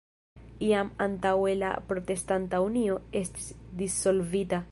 Jam antaŭe la Protestanta Unio estis dissolvita.